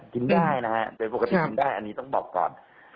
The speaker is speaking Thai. กินได้นะฮะโดยปกติกินได้อันนี้ต้องบอกก่อน